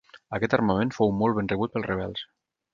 Aquest armament fou molt ben rebut pels rebels.